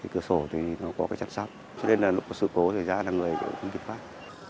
cơ sổ có chăm sóc lúc có sự cố người ta không kịp phát